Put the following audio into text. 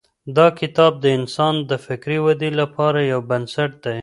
دا کتاب د انسان د فکري ودې لپاره یو بنسټ دی.